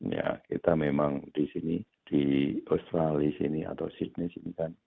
ya kita memang di sini di australia sini atau sydneys ini kan